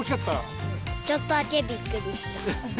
ちょっとだけびっくりした。